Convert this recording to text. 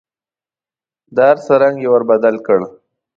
د هر څه رنګ یې ور بدل کړ .